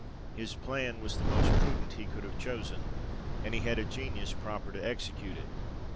His plan was the most prudent he could have chosen, and he had a genius proper to execute it.